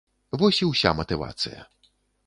Вось і ўся матывацыя.